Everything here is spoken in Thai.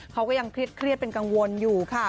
เขาก็ยังเครียดเป็นกังวลอยู่ค่ะ